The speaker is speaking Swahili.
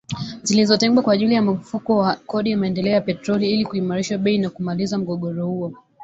Zilizotengwa kwa ajili ya Mfuko wa Kodi ya Maendeleo ya Petroli ili kuimarisha bei na kumaliza mgogoro huo.